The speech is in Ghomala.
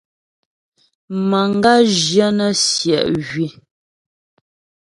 Manga zhyə nə̀ siɛ̀ ywii.